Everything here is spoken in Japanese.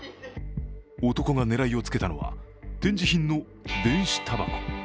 男が狙いをつけたのは、展示品の電子たばこ。